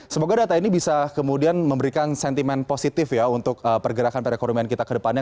semoga data ini bisa kemudian memberikan sentimen positif ya untuk pergerakan perekonomian kita ke depannya